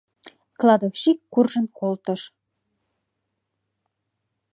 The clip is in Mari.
Кладовщик куржын колтыш.